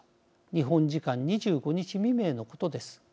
日本時間２５日未明のことです。